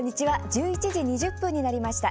１１時２０分になりました。